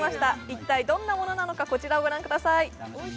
一体どんなものなのかこちらをご覧ください。